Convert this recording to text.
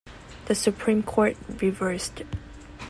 The Supreme Court reversed.